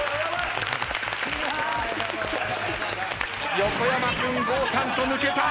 横山君郷さんと抜けた。